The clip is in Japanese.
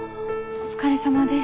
お疲れさまです。